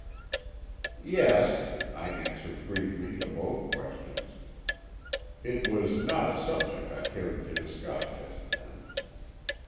"Yes," I answered briefly to both questions. It was not a subject I cared to discuss just then.